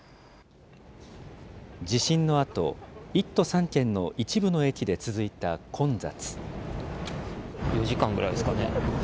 地震のあと、１都３県の一部の駅で続いた混雑。